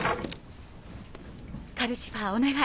カルシファーお願い